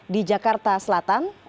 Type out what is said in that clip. di jakarta selatan